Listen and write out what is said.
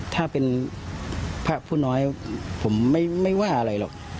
ถ้าเป็นพระผู้น้อยผมไม่ว่าอะไรหรอก